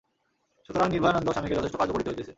সুতরাং নির্ভয়ানন্দ স্বামীকে যথেষ্ট কার্য করিতে হইতেছে।